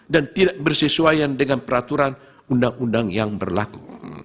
tidak bersesuaian dengan peraturan undang undang yang berlaku